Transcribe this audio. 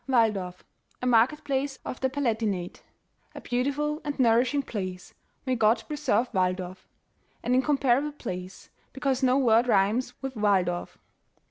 "Walldorf, a market place of the Palatinate, A beautiful and nourishing place — may God preserve Walldorf, An incomparable place, because no word rhymes with Walldorf.